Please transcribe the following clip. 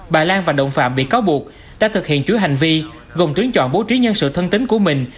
bà lan và động phạm bị cáo buộc đã thực hiện chuỗi hành vi gồm tuyến chọn bố trí nhân sự thân tính của mình